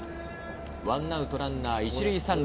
１アウトランナー１塁３塁。